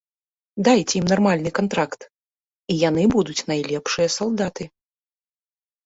Дайце ім нармальны кантракт, і яны будуць найлепшыя салдаты.